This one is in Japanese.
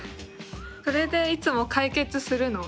それでいつも解決するの？